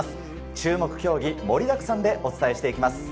注目競技盛りだくさんでお伝えしていきます。